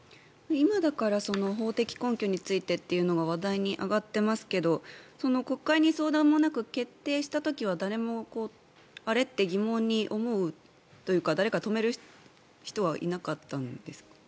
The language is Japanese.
今だから法的根拠についてというのは話題に上がってますけど国会に相談もなく決定した時は誰もあれ？って疑問に思うというか誰か止める人はいなかったんですか。